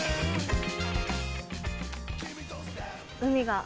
海が。